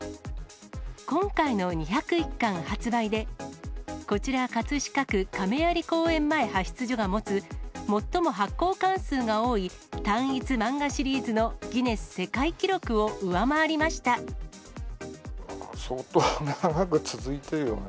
今回の２０１巻発売で、こちら葛飾区亀有公園前派出所が持つ、最も発行巻数が多い、単一漫画シリーズのギネス世界記録を上回り相当長く続いてるよね。